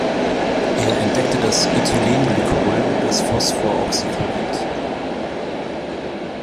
Er entdeckte das Ethylenglycol und das Phosphoroxychlorid.